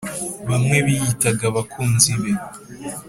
Bamwe biyitaga abakunzi be.